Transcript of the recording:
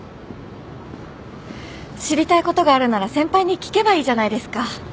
知りたいことがあるなら先輩に聞けばいいじゃないですか。